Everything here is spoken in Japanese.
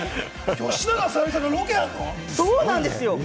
吉永小百合さんがロケやるの？